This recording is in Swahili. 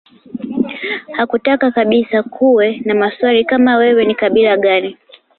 Hakutaka kabisa kuwe na maswali kama wewe ni kabila gani